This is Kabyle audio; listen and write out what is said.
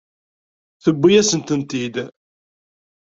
Tewwi-yasen-tent-id.